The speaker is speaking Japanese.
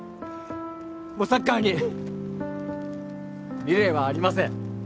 もうサッカーに未練はありません